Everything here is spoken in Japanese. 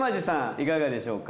いかがでしょうか？